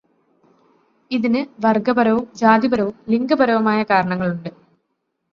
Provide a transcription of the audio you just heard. ഇതിന് വർഗപരവും ജാതിപരവും ലിംഗപരവുമായ കാരണങ്ങളുണ്ട്.